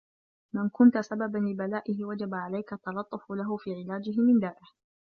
مَنْ كُنْت سَبَبًا لِبَلَائِهِ وَجَبَ عَلَيْك التَّلَطُّفُ لَهُ فِي عِلَاجِهِ مِنْ دَائِهِ